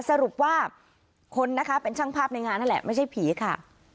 สรุปว่าคนนะคะเป็นช่างภาพในงานนั่นแหละไม่ใช่ผีค่ะ